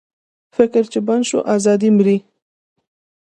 فکر چې بند شو، ازادي مري.